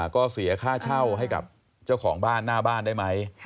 ก็เสียค่าเช่าให้กับเจ้าของบ้านหน้าบ้านได้ไหม